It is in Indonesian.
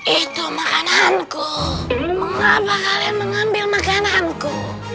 itu makananku mengapa kalian mengambil makananku